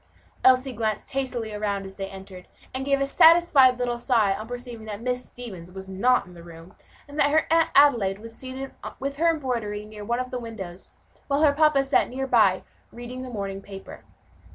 Elsie glanced hastily around as they entered, and gave a satisfied little sigh on perceiving that Miss Stevens was not in the room, and that her Aunt Adelaide was seated with her embroidery near one of the windows, while her papa sat near by, reading the morning paper.